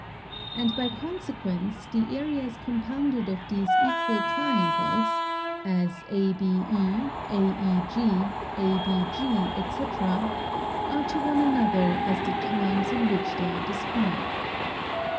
And by consequence the areas compounded of these equall triangles (as ABE, AEG, ABG &c) are to one another as the times in which they are described.